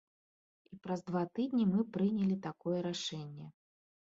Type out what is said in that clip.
І праз два тыдні мы прынялі такое рашэнне.